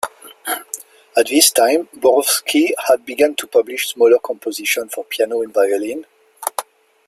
At this time Borowski had begun to publish smaller compositions for piano and violin.